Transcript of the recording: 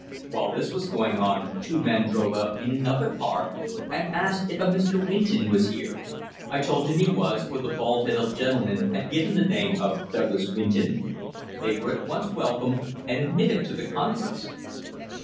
While this was going on, two men drove up in another car, and asked if a Mr. Winton was here. I told him he was for the bald headed gentleman had given the name of Douglas Winton. They were at once welcomed, and admitted to the conference."